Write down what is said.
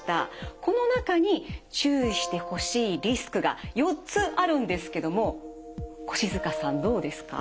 この中に注意してほしいリスクが４つあるんですけども越塚さんどうですか？